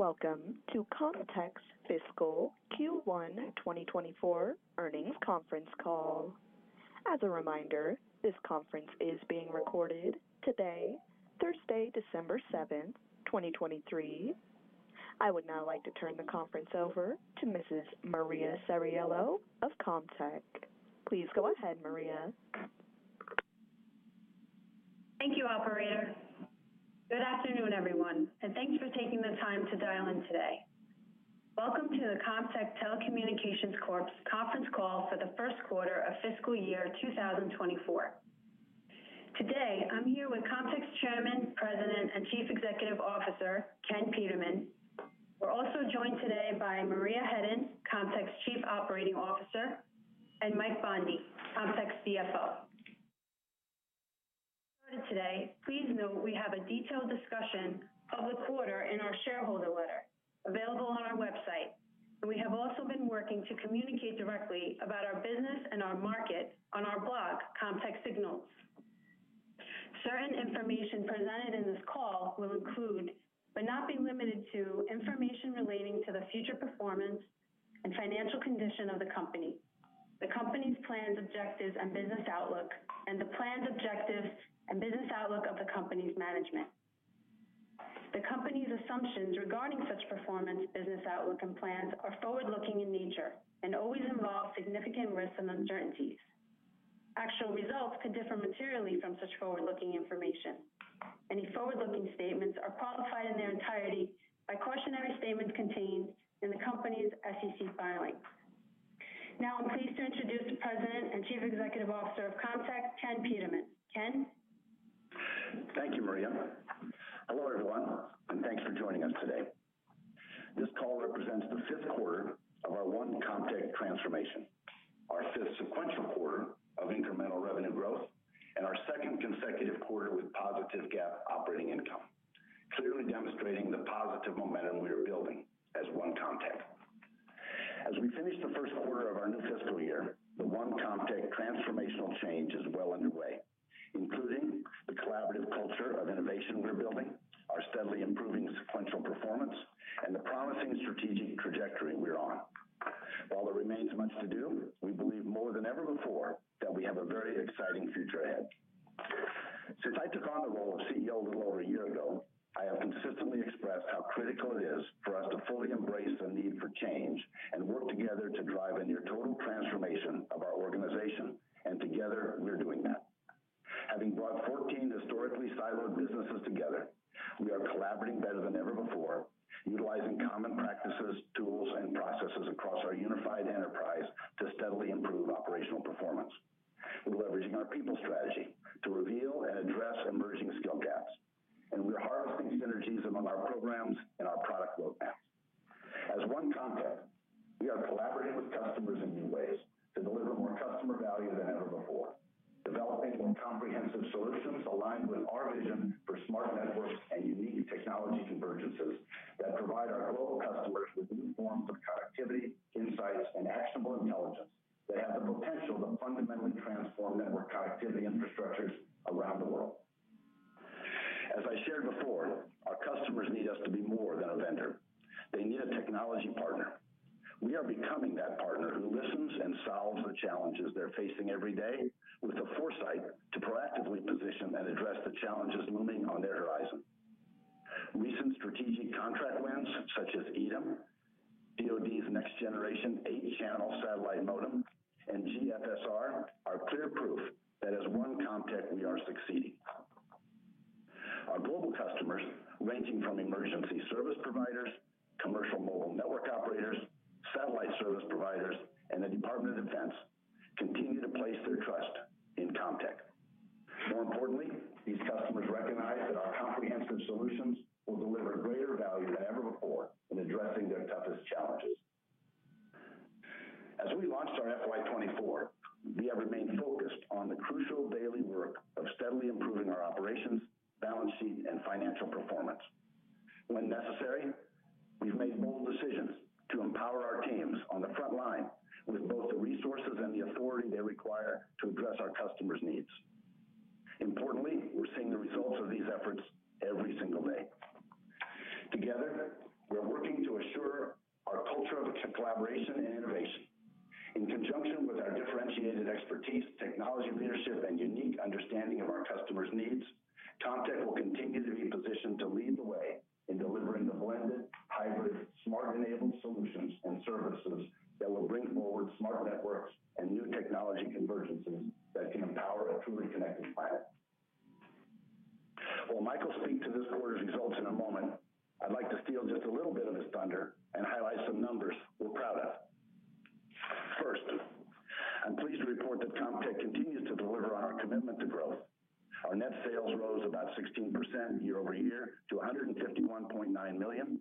Welcome to Comtech's Fiscal Q1 2024 Earnings Conference Call. As a reminder, this conference is being recorded today, Thursday, December 7, 2023. I would now like to turn the conference over to Mrs. Maria Ceriello of Comtech. Please go ahead, Maria. Thank you, Operator. Good afternoon, everyone, and thanks for taking the time to dial in today. Welcome to the Comtech Telecommunications Corp. conference call for the first quarter of fiscal year 2024. Today, I'm here with Comtech's Chairman, President, and Chief Executive Officer, Ken Peterman. We're also joined today by Maria Hedden, Comtech's Chief Operating Officer, and Mike Bondi, Comtech's CFO. Today, please note we have a detailed discussion of the quarter in our shareholder letter available on our website, and we have also been working to communicate directly about our business and our market on our blog, Comtech Signals. Certain information presented in this call will include, but not be limited to, information relating to the future performance and financial condition of the company, the company's plans, objectives, and business outlook, and the plans, objectives, and business outlook of the company's management. The company's assumptions regarding such performance, business outlook, and plans are forward-looking in nature and always involve significant risks and uncertainties. Actual results could differ materially from such forward-looking information. Any forward-looking statements are qualified in their entirety by cautionary statements contained in the company's SEC filings. Now I'm pleased to introduce the President and Chief Executive Officer of Comtech, Ken Peterman. Ken? Thank you, Maria. Hello, everyone, and thanks for joining us today. This call represents the fifth quarter of our One Comtech transformation, our fifth sequential quarter of incremental revenue growth, and our second consecutive quarter with positive GAAP operating income, clearly demonstrating the positive momentum we are building as One Comtech. As we finish the first quarter of our new fiscal year, the One Comtech transformational change is well underway, including the collaborative culture of innovation we're building, our steadily improving sequential performance, and the promising strategic trajectory we're on. While there remains much to do, we believe more than ever before that we have a very exciting future ahead. Since I took on the role of CEO a little over a year ago, I have consistently expressed how critical it is for us to fully embrace the need for change and work together to drive a near-total transformation of our organization, and together, we're doing that. Having brought 14 historically siloed businesses together, we are collaborating better than ever before, utilizing common practices, tools, and processes across our unified enterprise to steadily improve operational performance. We're leveraging our people strategy to reveal and address emerging skill gaps, and we're harvesting synergies among our programs and our product roadmaps. As One Comtech, we are collaborating with customers in new ways to deliver more customer value than ever before, developing more comprehensive solutions aligned with our vision for smart networks and unique technology convergences that provide our global customers with new forms of connectivity, insights, and actionable intelligence that have the potential to fundamentally transform network connectivity infrastructures around the world. As I shared before, our customers need us to be more than a vendor. They need a technology partner. We are becoming that partner who listens and solves the challenges they're facing every day with the foresight to proactively position and address the challenges looming on their horizon. Recent strategic contract wins, such as EDIM, DoD's next-generation eight-channel satellite modem, and GFSR, are clear proof that as One Comtech, we are succeeding. Our global customers, ranging from emergency service providers, commercial mobile network operators, satellite service providers, and the Department of Defense, continue to place their trust in Comtech. More importantly, these customers recognize that our comprehensive solutions will deliver greater value than ever before in addressing their toughest challenges. As we launched our FY 2024, we have remained focused on the crucial daily work of steadily improving our operations, balance sheet, and financial performance. When necessary, we've made bold decisions to empower our teams on the front line with both the resources and the authority they require to address our customers' needs. Importantly, we're seeing the results of these efforts every single day. Together, we're working to assure our culture of collaboration and innovation. In conjunction with our differentiated expertise, technology, leadership, and unique understanding of our customers' needs, Comtech will continue to be positioned to lead the way in delivering the blended, hybrid, smart-enabled solutions and services that will bring forward smart networks and new technology convergences that can empower a truly connected planet. While Michael will speak to this quarter's results in a moment, I'd like to steal just a little bit of his thunder and highlight some numbers we're proud of. First, I'm pleased to report that Comtech continues to deliver on our commitment to growth. Our net sales rose about 16% year-over-year to $151.9 million,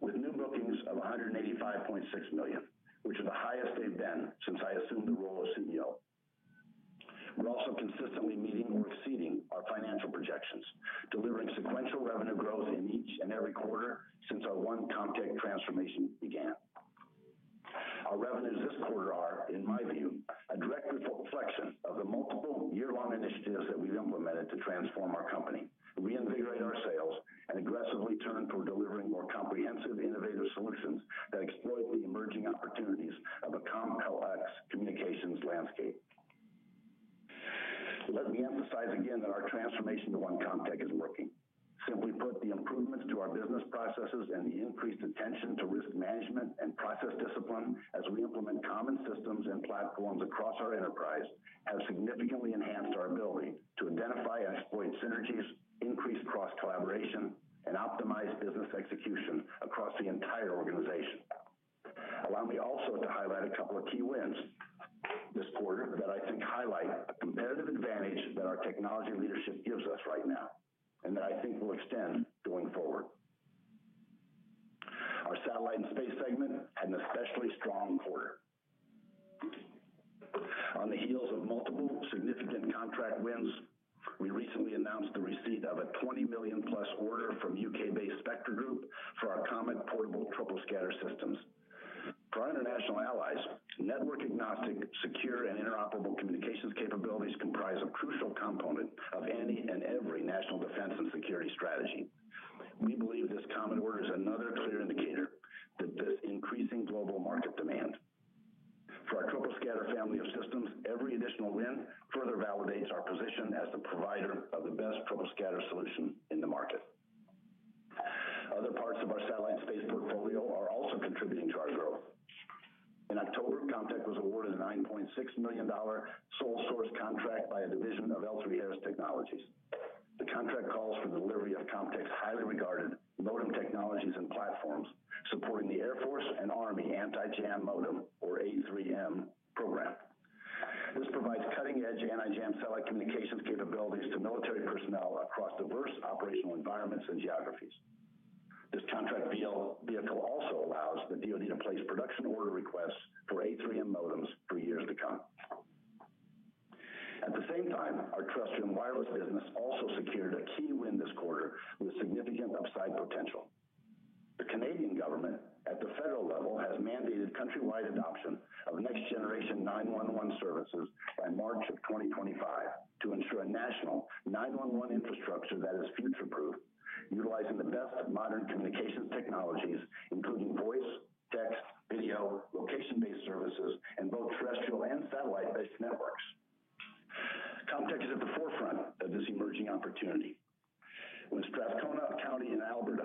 with new bookings of $185.6 million, which is the highest they've been since I assumed the role of CEO. We're also consistently meeting or exceeding our financial projections, delivering sequential revenue growth in each and every quarter since our One Comtech transformation began. Our revenues this quarter are, in my view, a direct reflection of the multiple-year-long initiatives that we've implemented to transform our company, reinvigorate our sales, and aggressively turn toward delivering more comprehensive, innovative solutions that exploit the emerging opportunities of a complex communications landscape. Let me emphasize again that our transformation to One Comtech is working. Simply put, the improvements to our business processes and the increased attention to risk management and process discipline as we implement common systems and platforms across our enterprise, have significantly enhanced our ability to identify and exploit synergies, increase cross-collaboration, and optimize business execution across the entire organization. Allow me also to highlight a couple of key wins this quarter that I think highlight a competitive advantage that our technology leadership gives us right now, and that I think will extend going forward. Our satellite and space segment had an especially strong quarter. On the heels of multiple significant contract wins, we recently announced the receipt of a $20 million+ order from UK-based Spectra Group for our COMET portable troposcatter systems. For our international allies, network-agnostic, secure, and interoperable communications capabilities comprise a crucial component of any and every national defense and security strategy. We believe this common order is another clear indicator that this increasing global market demand. For our troposcatter family of systems, every additional win further validates our position as the provider of the best troposcatter solution in the market. Other parts of our satellite and space portfolio are also contributing to our growth. In October, Comtech was awarded a $9.6 million sole-source contract by a division of L3Harris Technologies. The contract calls for the delivery of Comtech's highly regarded modem technologies and platforms, supporting the Air Force and Army Anti-Jam Modem, or A3M program. This provides cutting-edge anti-jam satellite communications capabilities to military personnel across diverse operational environments and geographies. This contract vehicle also allows the DoD to place production order requests for A3M modems for years to come. At the same time, our terrestrial and wireless business also secured a key win this quarter with significant upside potential. The Canadian government, at the federal level, has mandated countrywide adoption of next-generation 911 services by March 2025 to ensure a national 911 infrastructure that is future-proof, utilizing the best of modern communications technologies, including voice, text, video, location-based services, and both terrestrial and satellite-based networks. Comtech is at the forefront of this emerging opportunity. When Strathcona County in Alberta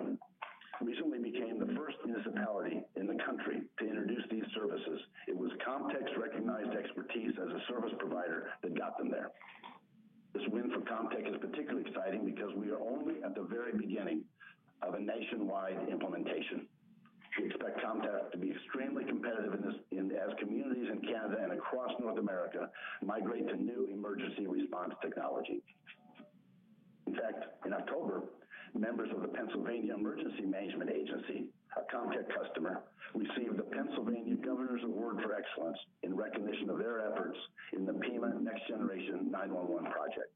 recently became the first municipality in the country to introduce these services, it was Comtech's recognized expertise as a service provider that got them there. This win for Comtech is particularly exciting because we are only at the very beginning of a nationwide implementation. We expect Comtech to be extremely competitive in this, as communities in Canada and across North America migrate to new emergency response technology. In fact, in October, members of the Pennsylvania Emergency Management Agency, a Comtech customer, received the Pennsylvania Governor's Award for Excellence in recognition of their efforts in the PEMA Next Generation 911 project.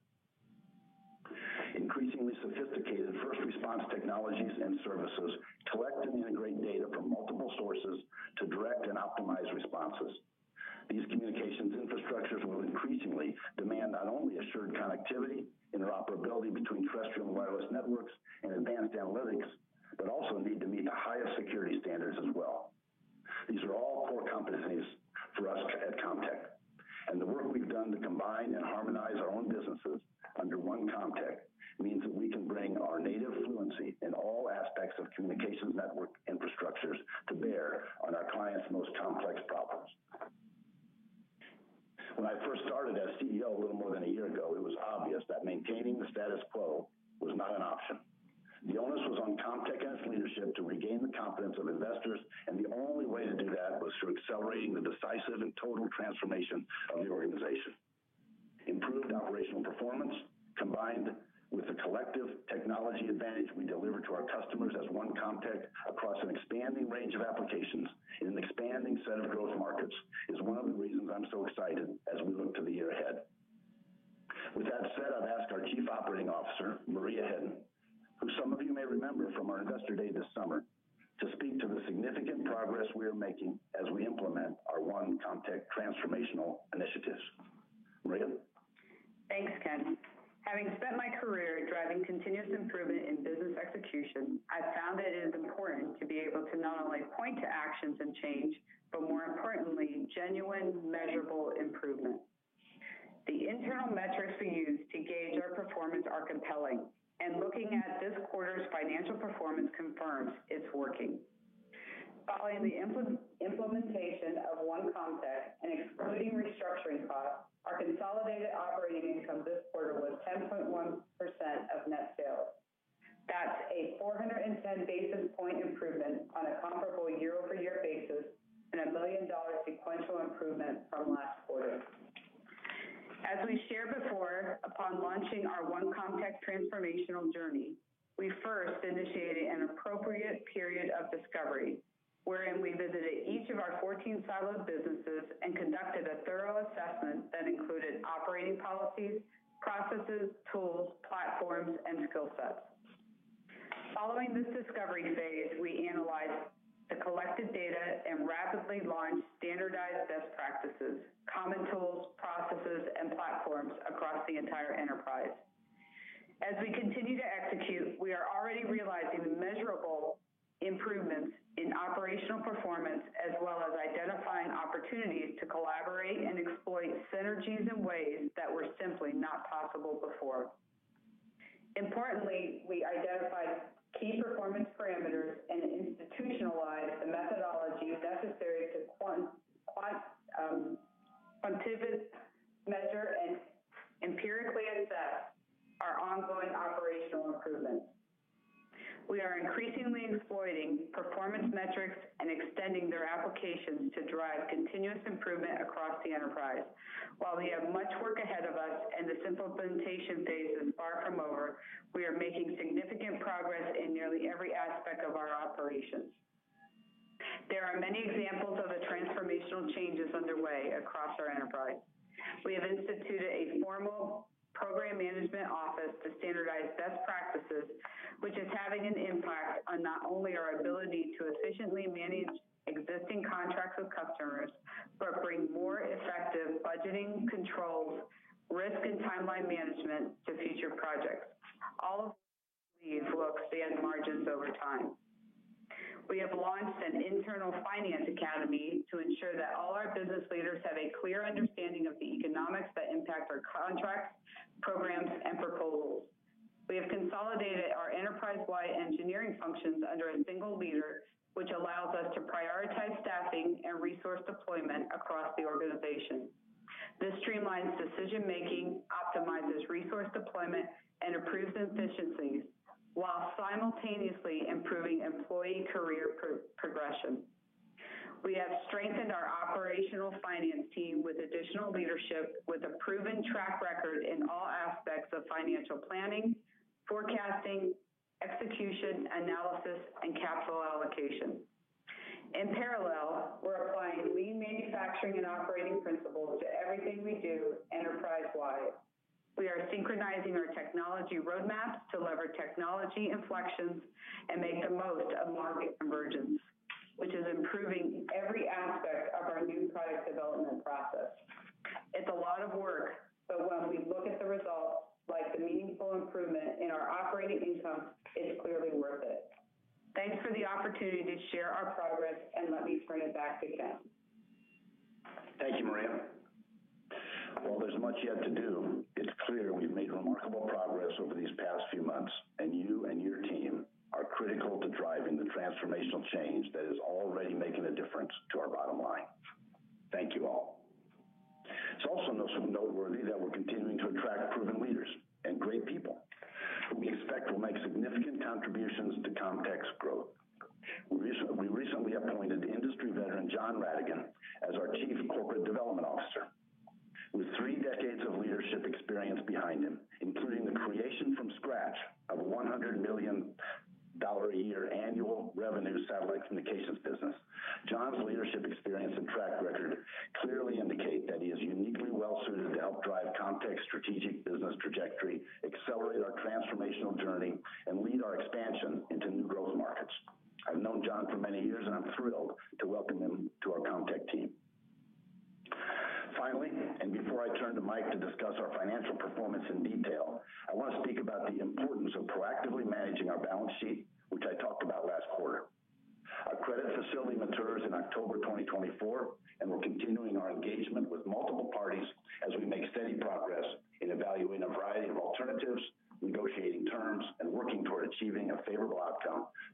Increasingly sophisticated first-response technologies and services collect and integrate data from multiple sources to direct and optimize responses. These communications infrastructures will increasingly demand not only assured connectivity, interoperability between terrestrial and wireless networks, and advanced analytics, but also need to meet the highest security standards as well. These are all core competencies for us at Comtech, and the work we've done to combine and harmonize our own businesses under One Comtech means that we can bring our native fluency in all aspects of communications network infrastructures to bear on our clients' most complex problems. When I first started as CEO a little more than a year ago, it was obvious that maintaining the status quo was not an option. The onus was on Comtech as leadership to regain the confidence of investors, and the only way to do that was through accelerating the decisive and total transformation of the organization. Improved operational performance, combined with the collective technology advantage we deliver to our customers as One Comtech across an expanding range of applications and an expanding set of growth markets, is one of the reasons I'm so excited as we look to the year ahead. With that said, I'll ask our Chief Operating Officer, Maria Hedden, who some of you may remember from our Investor Day this summer, to speak to the significant progress we are making as we implement our One Comtech transformational initiatives. Maria? Thanks, Ken. Having spent my career driving continuous improvement in business execution, I found that it is important to be able to not only point to actions and change, but more importantly, genuine, measurable improvement. The internal metrics we use to gauge our performance are compelling, and looking at this quarter's financial performance confirms it's working. Following the implementation of One Comtech and excluding restructuring costs, our consolidated operating income this quarter was 10.1% of net sales. That's a 410 basis point improvement on a comparable year-over-year basis and a billion-dollar sequential improvement from last quarter. As we shared before, upon launching our One Comtech transformational journey, we first initiated an appropriate period of discovery, wherein we visited each of our 14 siloed businesses and conducted a thorough assessment that included operating policies, processes, tools, platforms, and skill sets.... Following this discovery phase, we analyzed the collected data and rapidly launched standardized best practices, common tools, processes, and platforms across the entire enterprise. As we continue to execute, we are already realizing measurable improvements in operational performance, as well as identifying opportunities to collaborate and exploit synergies in ways that were simply not possible before. Importantly, we identified key performance parameters and institutionalized the methodologies necessary to quantitatively measure and empirically assess our ongoing operational improvements. We are increasingly exploiting performance metrics and extending their applications to drive continuous improvement across the enterprise. While we have much work ahead of us and the implementation phase is far from over, we are making significant progress in nearly every aspect of our operations. There are many examples of the transformational changes underway across our enterprise. We have instituted a formal program management office to standardize best practices, which is having an impact on not only our ability to efficiently manage existing contracts with customers, but bring more effective budgeting controls, risk-and timeline-management to future projects. All of these will expand margins over time. We have launched an internal finance academy to ensure that all our business leaders have a clear understanding of the economics that impact our contracts, programs, and proposals. We have consolidated our enterprise-wide engineering functions under a single leader, which allows us to prioritize staffing and resource deployment across the organization. This streamlines decision-making, optimizes resource deployment, and improves efficiencies, while simultaneously improving employee career progression. We have strengthened our operational finance team with additional leadership, with a proven track record in all aspects of financial planning, forecasting, execution, analysis, and capital allocation. In parallel, we're applying lean manufacturing and operating principles to everything we do enterprise-wide. We are synchronizing our technology roadmaps to leverage technology inflections and make the most of market convergence, which is improving every aspect of our new product development process. It's a lot of work, but when we look at the results, like the meaningful improvement in our operating income, it's clearly worth it. Thanks for the opportunity to share our progress, and let me turn it back to Ken. Thank you, Maria. While there's much yet to do, it's clear we've made remarkable progress over these past few months, and you and your team are critical to driving the transformational change that is already making a difference to our bottom line. Thank you all. It's also noteworthy that we're continuing to attract proven leaders and great people who we expect will make significant contributions to Comtech's growth. We recently appointed industry veteran, John Ratigan, as our Chief Corporate Development Officer. With three decades of leadership experience behind him, including the creation from scratch of $100 million a year annual revenue satellite communications business. John's leadership experience and track record clearly indicate that he is uniquely well-suited to help drive Comtech's strategic business trajectory, accelerate our transformational journey, and lead our expansion into new growth markets. I've known John for many years, and I'm thrilled to welcome him to our Comtech team. Finally, and before I turn to Mike to discuss our financial performance in detail, I want to speak about the importance of proactively managing our balance sheet, which I talked about last quarter. Our credit facility matures in October 2024, and we're continuing our engagement with multiple parties as we make steady progress in evaluating a variety of alternatives, negotiating terms, and working toward achieving a favorable outcome for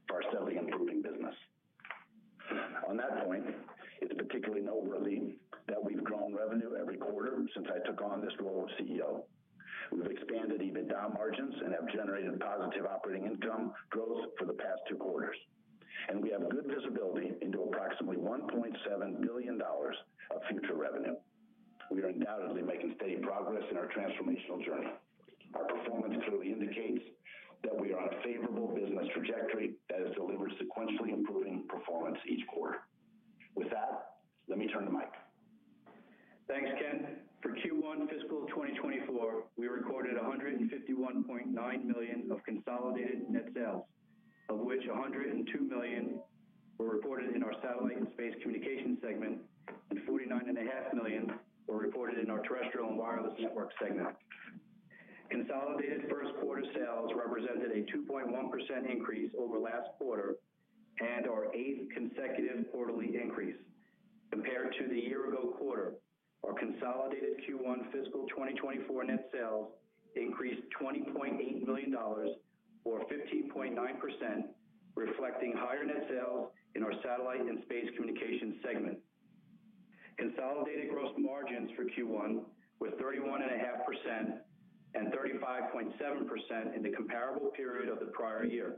and 35.7% in the comparable period of the prior year.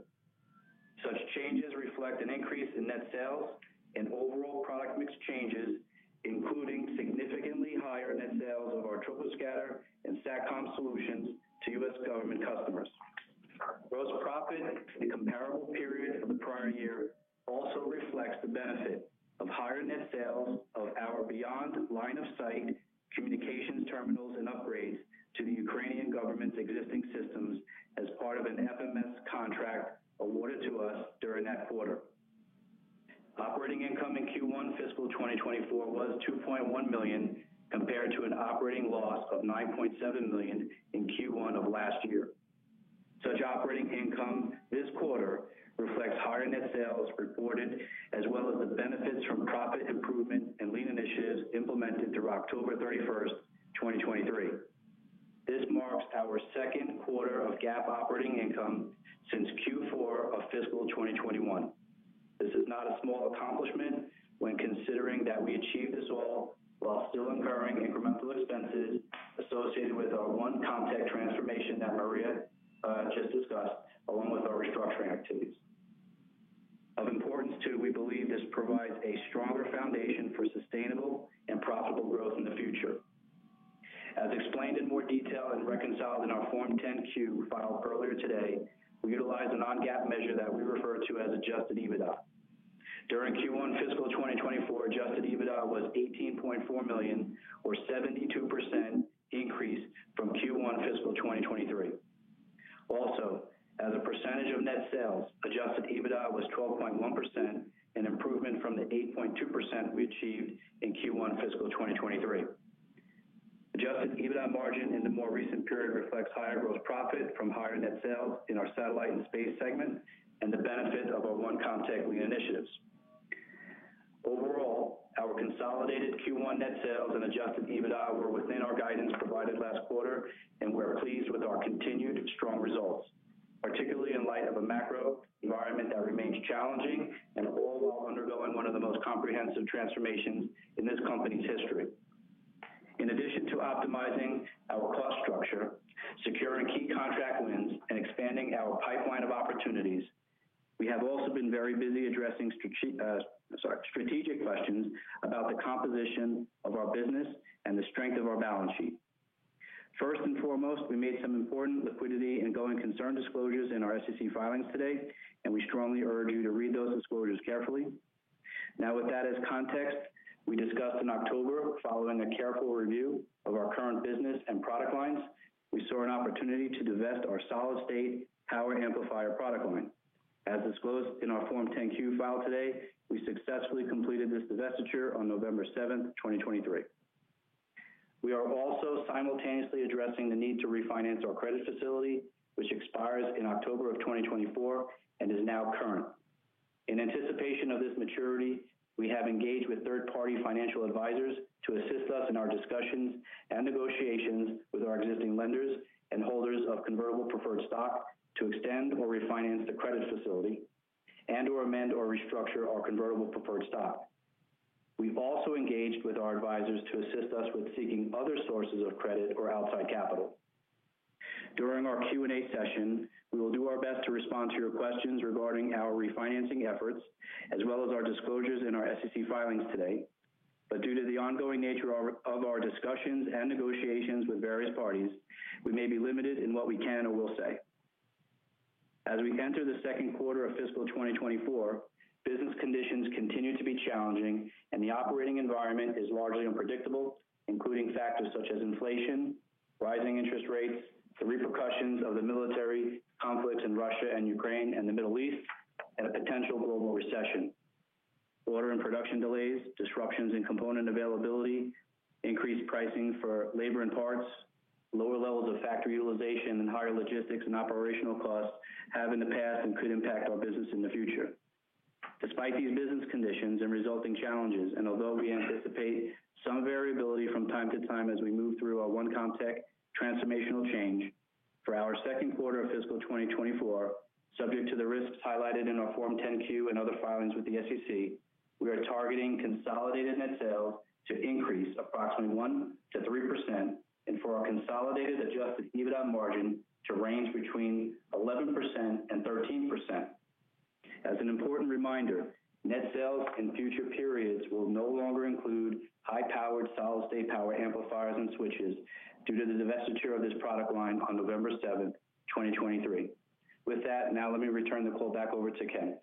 Such changes reflect an increase in net sales and overall product mix changes, including significantly higher net sales of our troposcatter and SATCOM solutions to U.S. government customers. Gross profit in the prior year also reflects the benefit of higher net sales of our beyond line-of-sight communications terminals and upgrades to the Ukrainian government's existing systems as part of an FMS contract awarded to us during that quarter. Operating income in Q1 fiscal 2024 was $2.1 million, compared to an operating loss of $9.7 million in Q1 of last year. Such operating income this quarter reflects higher net sales reported, as well as the benefits from profit improvement and lean initiatives implemented through October 31, 2023. This marks our second quarter of GAAP operating income since Q4 of fiscal 2021. This is not a small accomplishment when considering that we achieved this all while still incurring incremental expenses associated with our One Comtech transformation that Maria just discussed, along with our restructuring activities. Of importance, too, we believe this provides a stronger foundation for sustainable and profitable growth in the future. As explained in more detail and reconciled in our Form 10-Q filed earlier today, we utilize a non-GAAP measure that we refer to as adjusted EBITDA. During Q1 fiscal 2024, adjusted EBITDA was $18.4 million, or 72% increase from Q1 fiscal 2023. Also, as a percentage of net sales, adjusted EBITDA was 12.1%, an improvement from the 8.2% we achieved in Q1 fiscal 2023. Adjusted EBITDA margin in the more recent period reflects higher gross profit from higher net sales in our satellite and space segment and the benefit of our One Comtech initiatives. Overall, our consolidated Q1 net sales and adjusted EBITDA were within our guidance provided last quarter, and we're pleased with our continued strong results, particularly in light of a macro environment that remains challenging and all while undergoing one of the most comprehensive transformations in this company's history. In addition to optimizing our cost structure, securing key contract wins, and expanding our pipeline of opportunities, we have also been very busy addressing strategic questions about the composition of our business and the strength of our balance sheet. First and foremost, we made some important liquidity and going-concern disclosures in our SEC filings today, and we strongly urge you to read those disclosures carefully. Now, with that as context, we discussed in October, following a careful review of our current business and product lines, we saw an opportunity to divest our solid-state power amplifier product line. As disclosed in our Form 10-Q filed today, we successfully completed this divestiture on November 7, 2023. We are also simultaneously addressing the need to refinance our credit facility, which expires in October 2024 and is now current. In anticipation of this maturity, we have engaged with third-party financial advisors to assist us in our discussions and negotiations with our existing lenders and holders of convertible preferred stock to extend or refinance the credit facility and/or amend or restructure our convertible preferred stock. We've also engaged with our advisors to assist us with seeking other sources of credit or outside capital. During our Q&A session, we will do our best to respond to your questions regarding our refinancing efforts, as well as our disclosures in our SEC filings today. But due to the ongoing nature of our discussions and negotiations with various parties, we may be limited in what we can or will say. As we enter the second quarter of fiscal 2024, business conditions continue to be challenging, and the operating environment is largely unpredictable, including factors such as inflation, rising interest rates, the repercussions of the military conflicts in Russia and Ukraine and the Middle East, and a potential global recession. Order and production delays, disruptions in component availability, increased pricing for labor and parts, lower levels of factory utilization, and higher logistics and operational costs have in the past and could impact our business in the future. Despite these business conditions and resulting challenges, and although we anticipate some variability from time to time as we move through our One Comtech transformational change, for our second quarter of fiscal 2024, subject to the risks highlighted in our Form 10-Q and other filings with the SEC, we are targeting consolidated net sales to increase approximately 1%-3%, and for our consolidated adjusted EBITDA margin to range between 11% and 13%. As an important reminder, net sales in future periods will no longer include high-powered, solid-state power amplifiers and switches due to the divestiture of this product line on November 7, 2023. With that, now let me return the call back over to Ken.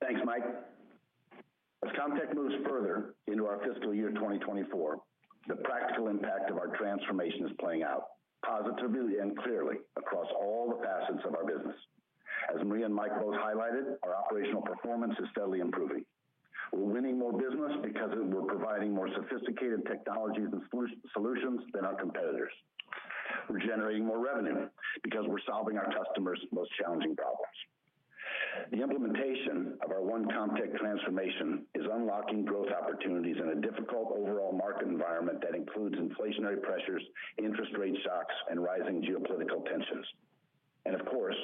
Thanks, Mike. As Comtech moves further into our fiscal year 2024, the practical impact of our transformation is playing out positively and clearly across all the facets of our business. As Maria and Mike both highlighted, our operational performance is steadily improving. We're winning more business because we're providing more sophisticated technologies and solid solutions than our competitors. We're generating more revenue because we're solving our customers' most challenging problems. The implementation of our One Comtech transformation is unlocking growth opportunities in a difficult overall market environment that includes inflationary pressures, interest rate shocks, and rising geopolitical tensions. Of course,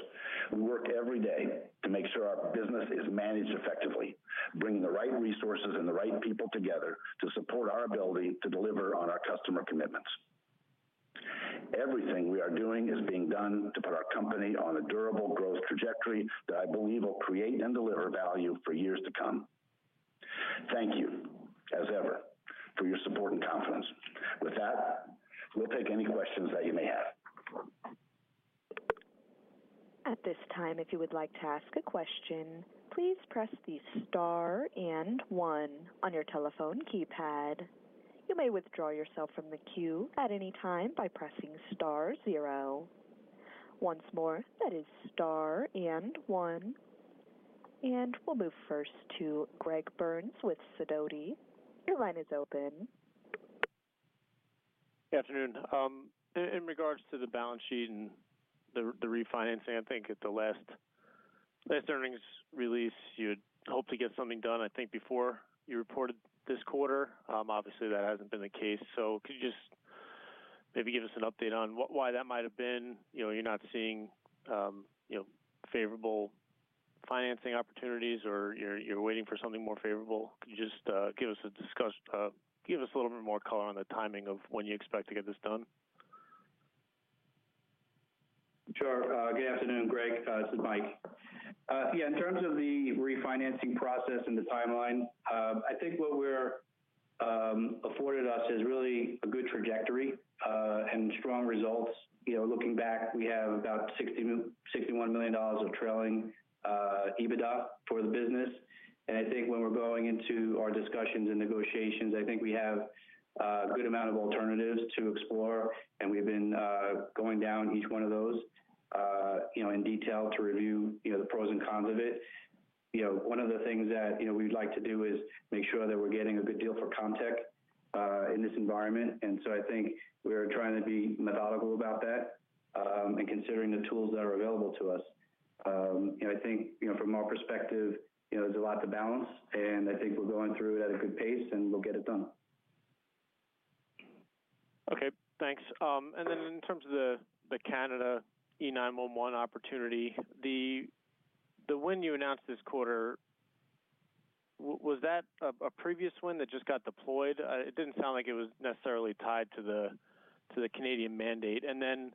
we work every day to make sure our business is managed effectively, bringing the right resources and the right people together to support our ability to deliver on our customer commitments. Everything we are doing is being done to put our company on a durable growth trajectory that I believe will create and deliver value for years to come. Thank you, as ever, for your support and trust.... We'll take any questions that you may have. At this time, if you would like to ask a question, please press the star and one on your telephone keypad. You may withdraw yourself from the queue at any time by pressing star zero. Once more, that is star and one. We'll move first to Greg Burns with Sidoti. Your line is open. Good afternoon. In regards to the balance sheet and the refinancing, I think at the last earnings release, you'd hope to get something done, I think, before you reported this quarter. Obviously, that hasn't been the case. So could you just maybe give us an update on why that might have been? You know, you're not seeing, you know, favorable financing opportunities, or you're waiting for something more favorable. Could you just give us a little bit more color on the timing of when you expect to get this done? Sure. Good afternoon, Greg. This is Mike. Yeah, in terms of the refinancing process and the timeline, I think what we're afforded us is really a good trajectory and strong results. You know, looking back, we have about $61 million of trailing EBITDA for the business. I think when we're going into our discussions and negotiations, I think we have a good amount of alternatives to explore, and we've been going down each one of those, you know, in detail to review, you know, the pros and cons of it. You know, one of the things that, you know, we'd like to do is make sure that we're getting a good deal for Comtech in this environment. And so I think we're trying to be methodical about that, and considering the tools that are available to us. You know, I think, you know, from our perspective, you know, there's a lot to balance, and I think we're going through it at a good pace, and we'll get it done. Okay, thanks. And then in terms of the Canada E-911 opportunity, the win you announced this quarter, was that a previous one that just got deployed? It didn't sound like it was necessarily tied to the Canadian mandate. And then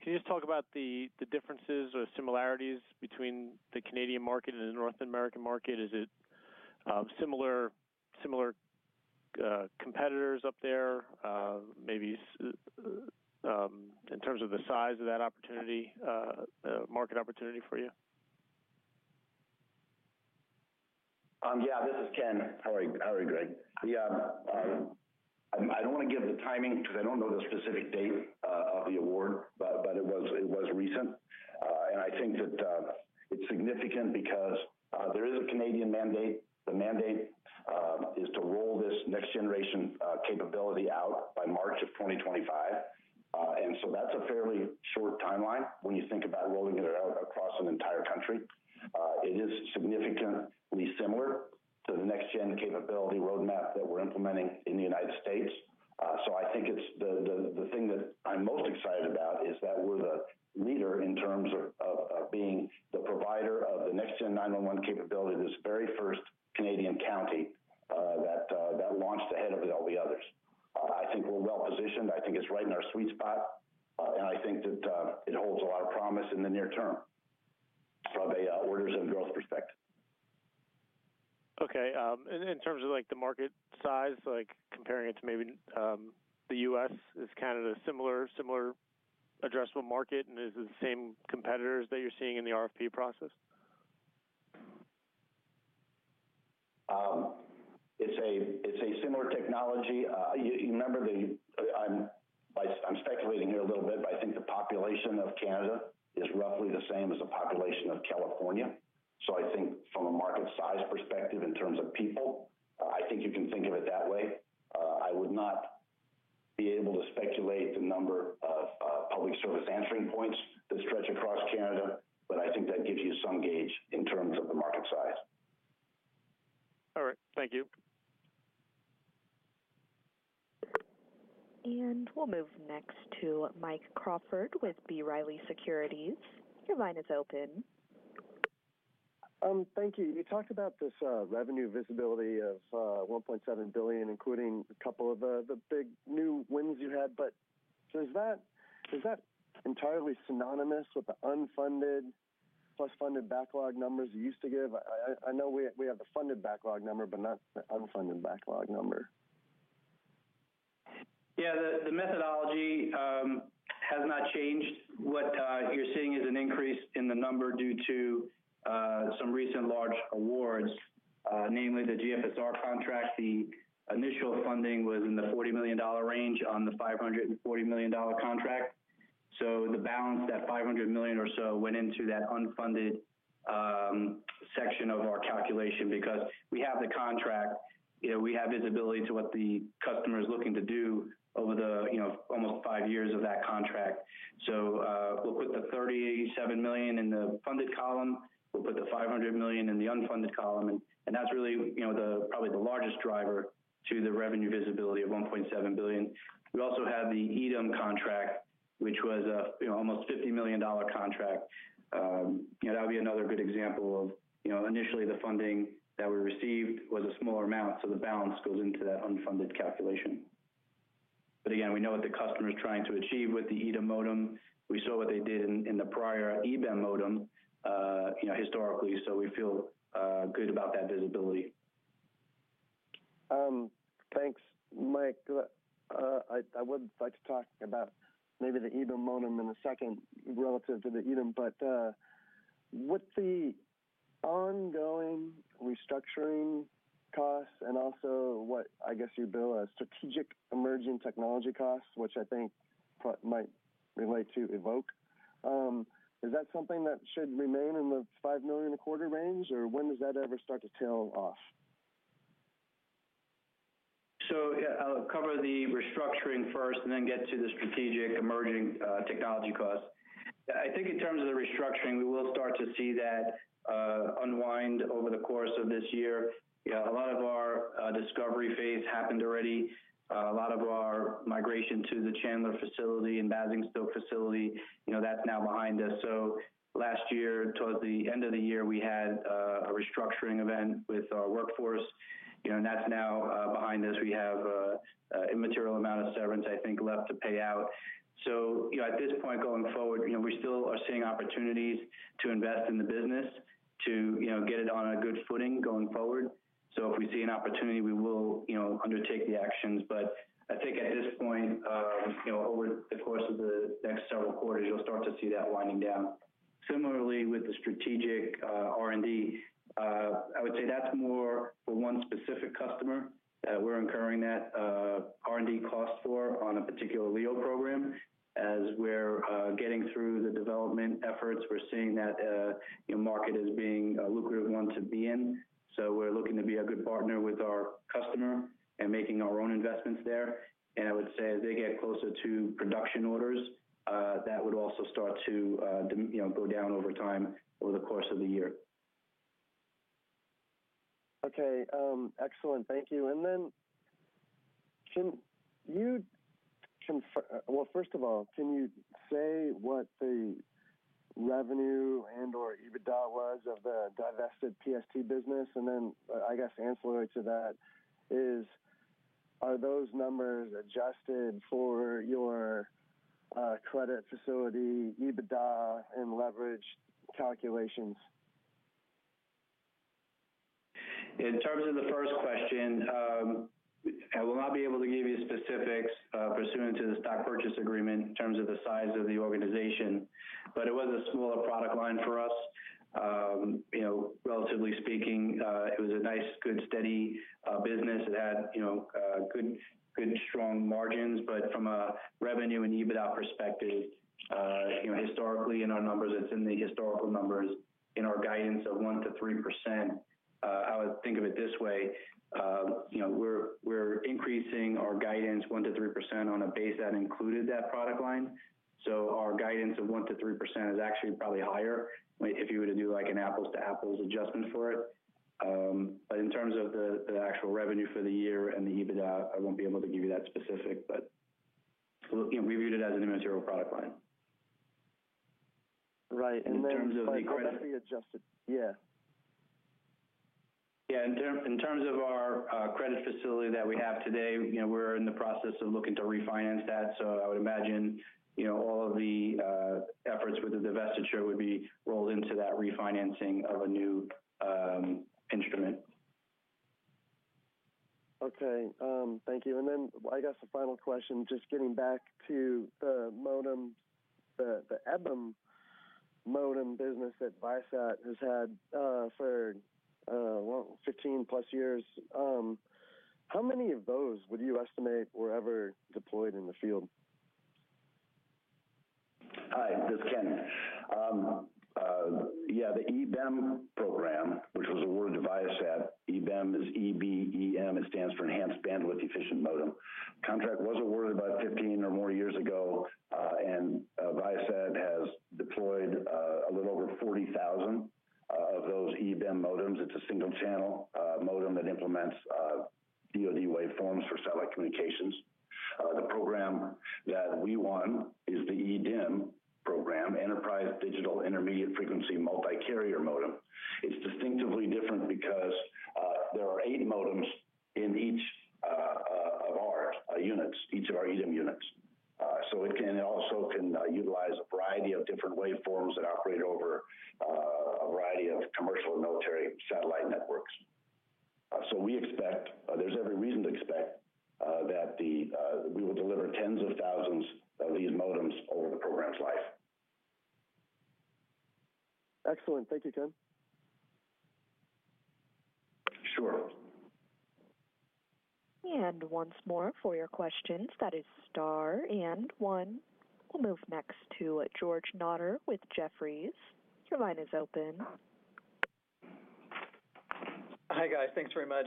can you just talk about the differences or similarities between the Canadian market and the North American market? Is it similar competitors up there? Maybe in terms of the size of that opportunity, market opportunity for you? Yeah, this is Ken. How are you, how are you, Greg? Yeah, I, I don't want to give the timing because I don't know the specific date of the award, but, but it was, it was recent. And I think that it's significant because there is a Canadian mandate. The mandate is to roll this next-generation capability out by March of 2025. And so that's a fairly short timeline when you think about rolling it out across an entire country. It is significantly similar to the next-gen capability roadmap that we're implementing in the United States. So I think it's the thing that I'm most excited about is that we're the leader in terms of being the provider of the next-gen 911 capability, this very first Canadian county that launched ahead of all the others. I think we're well positioned. I think it's right in our sweet spot, and I think that it holds a lot of promise in the near term from a orders and growth perspective. Okay, in terms of, like, the market size, like comparing it to maybe, the U.S., is Canada a similar addressable market, and is it the same competitors that you're seeing in the RFP process? It's a similar technology. You remember the... I'm speculating here a little bit, but I think the population of Canada is roughly the same as the population of California. So I think from a market size perspective, in terms of people, I think you can think of it that way. I would not be able to speculate the number of Public Safety Answering Points that stretch across Canada, but I think that gives you some gauge in terms of the market size. All right. Thank you. We'll move next to Mike Crawford with B. Riley Securities. Your line is open. Thank you. You talked about this revenue visibility of $1.7 billion, including a couple of the big new wins you had. But so is that entirely synonymous with the unfunded plus funded backlog numbers you used to give? I know we have the funded backlog number, but not the unfunded backlog number. Yeah, the methodology has not changed. What you're seeing is an increase in the number due to some recent large awards, namely the GFSR contract. The initial funding was in the $40 million range on the $540 million contract. So the balance, that $500 million or so, went into that unfunded section of our calculation because we have the contract, you know, we have visibility to what the customer is looking to do over the, you know, almost five years of that contract. So, we'll put the $37 million in the funded column, we'll put the $500 million in the unfunded column, and that's really, you know, the, probably the largest driver to the revenue visibility of $1.7 billion. We also have the EDIM contract, which was a, you know, almost $50 million contract. You know, that would be another good example of, you know, initially the funding that we received was a smaller amount, so the balance goes into that unfunded calculation. But again, we know what the customer is trying to achieve with the EDIM modem. We saw what they did in the prior EBEM modem, you know, historically, so we feel good about that visibility.... Thanks, Mike. I would like to talk about maybe the EBEM modem in a second relative to the EDIM. But, with the ongoing restructuring costs and also what I guess you bill as strategic emerging technology costs, which I think might relate to EVOKE, is that something that should remain in the $5 million a quarter range, or when does that ever start to tail off? So, yeah, I'll cover the restructuring first and then get to the strategic emerging technology costs. I think in terms of the restructuring, we will start to see that unwind over the course of this year. Yeah, a lot of our discovery phase happened already. A lot of our migration to the Chandler facility and Basingstoke facility, you know, that's now behind us. So last year, towards the end of the year, we had a restructuring event with our workforce, you know, and that's now behind us. We have an immaterial amount of severance, I think, left to pay out. So, you know, at this point, going forward, you know, we still are seeing opportunities to invest in the business, to, you know, get it on a good footing going forward. So if we see an opportunity, we will, you know, undertake the actions. But I think at this point, you know, over the course of the next several quarters, you'll start to see that winding down. Similarly, with the strategic R&D, I would say that's more for one specific customer, we're incurring that R&D cost for on a particular LEO program. As we're getting through the development efforts, we're seeing that, you know, market as being a lucrative one to be in. So we're looking to be a good partner with our customer and making our own investments there. And I would say, as they get closer to production orders, that would also start to, de- you know, go down over time over the course of the year. Okay. Excellent. Thank you. Well, first of all, can you say what the revenue and/or EBITDA was of the divested PST business? And then, I guess, ancillary to that is, are those numbers adjusted for your credit facility, EBITDA, and leverage calculations? In terms of the first question, I will not be able to give you specifics, pursuant to the stock purchase agreement in terms of the size of the organization, but it was a smaller product line for us. You know, relatively speaking, it was a nice, good, steady, business. It had, you know, good, strong margins. But from a revenue and EBITDA perspective, you know, historically, in our numbers, it's in the historical numbers in our guidance of 1%-3%. I would think of it this way: you know, we're increasing our guidance 1%-3% on a base that included that product line. So our guidance of 1%-3% is actually probably higher, like, if you were to do, like, an apples-to-apples adjustment for it. But in terms of the actual revenue for the year and the EBITDA, I won't be able to give you that specific, but, look, we view it as an immaterial product line. Right. In terms of the- How might be adjusted? Yeah. Yeah, in terms of our credit facility that we have today, you know, we're in the process of looking to refinance that. So I would imagine, you know, all of the efforts with the divestiture would be rolled into that refinancing of a new instrument. Okay, thank you. And then, I guess the final question, just getting back to the modem, the EBEM modem business that ViaSat has had for well 15+ years. How many of those would you estimate were ever deployed in the field? Hi, this is Ken. Yeah, the EBEM program, which was awarded to ViaSat. EBEM is E-B-E-M. It stands for Enhanced Bandwidth Efficient Modem. Contract was awarded about 15 or more years ago, and ViaSat has deployed a little over 40,000 of those EBEM modems. It's a single-channel modem that implements DoD waveforms for satellite communications. The program that we won is the EDIM program, Enterprise Digital Intermediate Frequency Multicarrier Modem. It's distinctively different because there are eight modems in each of our units, each of our EDIM units. So it can also can utilize a variety of different waveforms that operate over a variety of commercial and military satellite networks. So we expect there's every reason to expect that we will deliver tens of thousands of these modems over the program's life. Excellent. Thank you, Ken. Sure. Once more, for your questions, that is star and one. We'll move next to George Notter with Jefferies. Your line is open. Hi, guys. Thanks very much.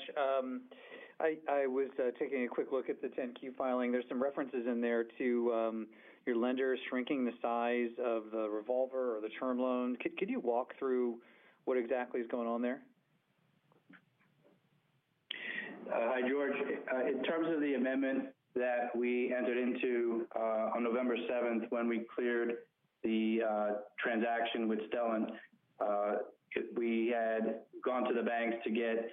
I was taking a quick look at the 10-Q filing. There's some references in there to your lenders shrinking the size of the revolver or the term loan. Can you walk through what exactly is going on there? Hi, George. In terms of the amendment that we entered into on November 7th, when we cleared the transaction with Stellant, we had gone to the banks to get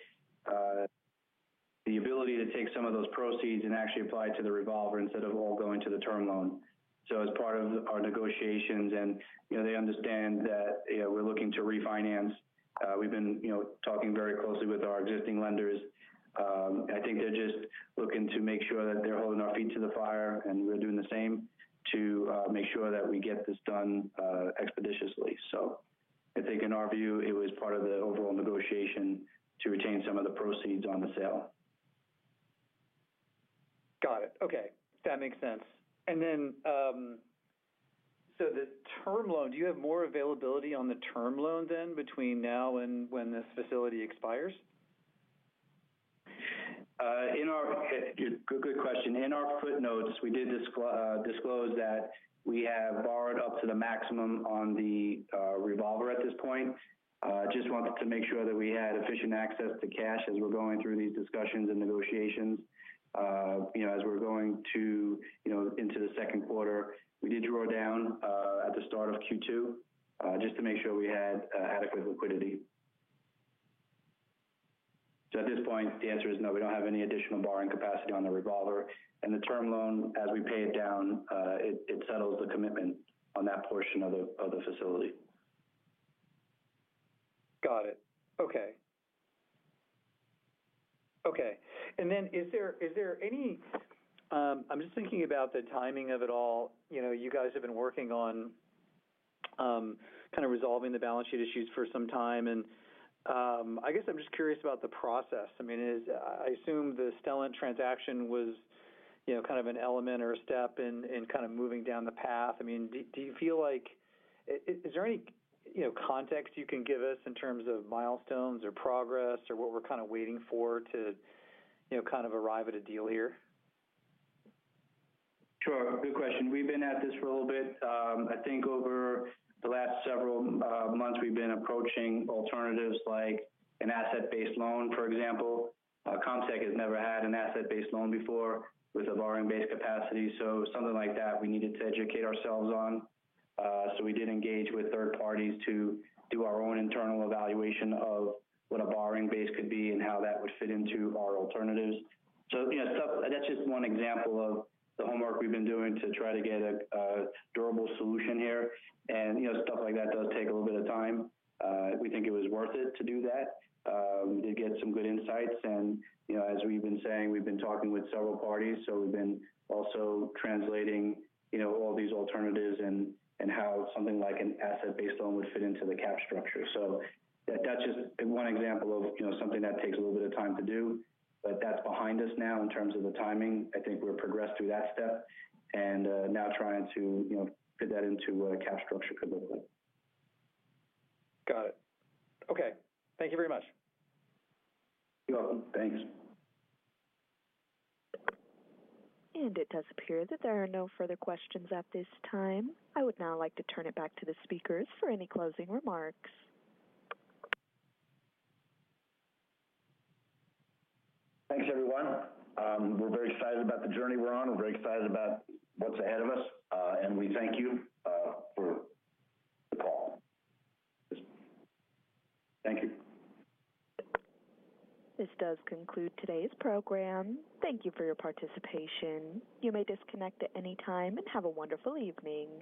the ability to take some of those proceeds and actually apply to the revolver instead of all going to the term loan. So as part of our negotiations and, you know, they understand that, you know, we're looking to refinance. We've been, you know, talking very closely with our existing lenders. I think they're just looking to make sure that they're holding our feet to the fire, and we're doing the same, to make sure that we get this done expeditiously. So I think in our view, it was part of the overall negotiation to retain some of the proceeds on the sale. Got it. Okay, that makes sense. And then, so the term loan, do you have more availability on the term loan then, between now and when this facility expires? Good, good question. In our footnotes, we did disclose that we have borrowed up to the maximum on the revolver at this point. Just wanted to make sure that we had efficient access to cash as we're going through these discussions and negotiations. You know, as we're going to, you know, into the second quarter, we did draw down at the start of Q2 just to make sure we had adequate liquidity. So at this point, the answer is no, we don't have any additional borrowing capacity on the revolver. And the term loan, as we pay it down, it settles the commitment on that portion of the facility. Got it. Okay. Okay, and then is there, is there any... I'm just thinking about the timing of it all. You know, you guys have been working on kind of resolving the balance sheet issues for some time, and I guess I'm just curious about the process. I mean, is-- I assume the Stellant transaction was, you know, kind of an element or a step in kind of moving down the path. I mean, do, do you feel like, is there any, you know, context you can give us in terms of milestones or progress or what we're kind of waiting for to, you know, kind of arrive at a deal here? Sure. Good question. We've been at this for a little bit. I think over the last several months, we've been approaching alternatives like an asset-based loan, for example. Comtech has never had an asset-based loan before with a borrowing base capacity, so something like that we needed to educate ourselves on. So we did engage with third parties to do our own internal evaluation of what a borrowing base could be and how that would fit into our alternatives. So, you know, so that's just one example of the homework we've been doing to try to get a durable solution here. And, you know, stuff like that does take a little bit of time. We think it was worth it to do that, to get some good insights. You know, as we've been saying, we've been talking with several parties, so we've been also translating, you know, all these alternatives and how something like an asset-based loan would fit into the cap structure. So that, that's just one example of, you know, something that takes a little bit of time to do, but that's behind us now in terms of the timing. I think we've progressed through that step and now trying to, you know, fit that into a cap structure could look like. Got it. Okay. Thank you very much. You're welcome. Thanks. It does appear that there are no further questions at this time. I would now like to turn it back to the speakers for any closing remarks. Thanks, everyone. We're very excited about the journey we're on. We're very excited about what's ahead of us, and we thank you for the call. Thank you. This does conclude today's program. Thank you for your participation. You may disconnect at any time, and have a wonderful evening.